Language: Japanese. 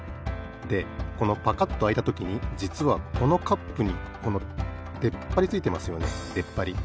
でこのパカッとあいたときにじつはこのカップにこのでっぱりついてますよね。でっぱり。